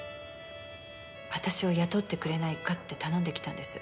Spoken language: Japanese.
「私を雇ってくれないか」って頼んできたんです。